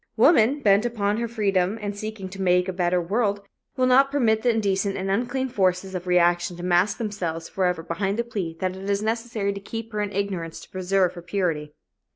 Woman, bent upon her freedom and seeking to make a better world, will not permit the indecent and unclean forces of reaction to mask themselves forever behind the plea that it is necessary to keep her in ignorance to preserve her purity.